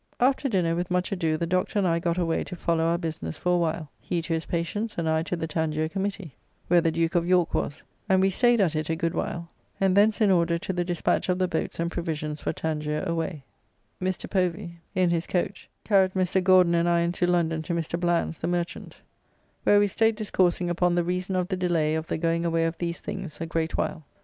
After dinner with much ado the doctor and I got away to follow our business for a while, he to his patients and I to the Tangier Committee, where the Duke of York was, and we staid at it a good while, and thence in order to the despatch of the boats and provisions for Tangier away, Mr. Povy, in his coach, carried Mr. Gauden and I into London to Mr. Bland's, the merchant, where we staid discoursing upon the reason of the delay of the going away of these things a great while.